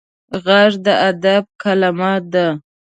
غږ د ادب قلمه ده